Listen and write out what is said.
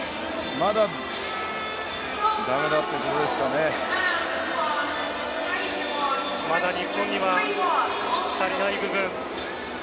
まだ日本には足りない部分。